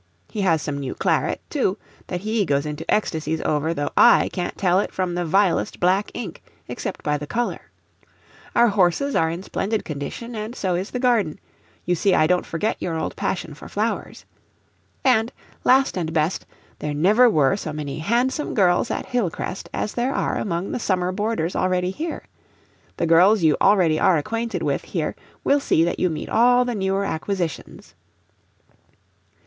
He has some new claret, too, that HE goes into ecstasies over, though I can't tell it from the vilest black ink, except by the color. Our horses are in splendid condition, and so is the garden you see I don't forget your old passion for flowers. And, last and best, there never were so many handsome girls at Hillcrest as there are among the summer boarders already here; the girls you already are acquainted with here will see that you meet all the newer acquisitions.